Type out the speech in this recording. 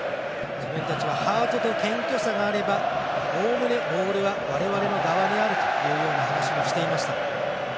我々はハートと謙虚さがあればおおむね、ボールは我々の側にあるという話をしていました。